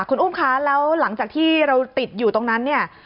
คุณอุ้มคะแล้วหลังจากที่เราติดอยู่ตรงนั้นเนี่ย